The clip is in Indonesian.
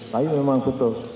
tapi memang betul